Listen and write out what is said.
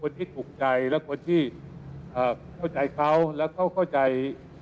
คนที่สุดใจและคนที่เข้าใจเขาแล้วเข้าใจ